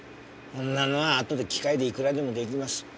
そんなのはあとで機械でいくらでも出来ます。